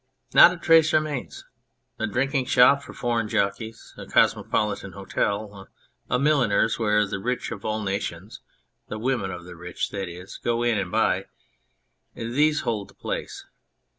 Not a trace remains. A drinking shop for foreign jockeys, a cosmopolitan hotel, a milliner's where the rich of all nations (the women of the rich, that is) go in and buy ; these hold the place.